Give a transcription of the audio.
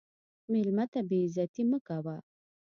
مېلمه ته بې عزتي مه کوه.